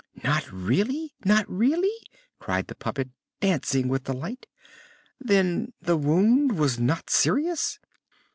"Not really? not really?" cried the puppet, dancing with delight. "Then the wound was not serious?"